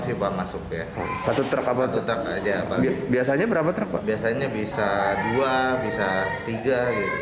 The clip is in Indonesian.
siva masuk ya satu terkabut tetap aja paling biasanya berapa terpaksa hanya bisa dua bisa tiga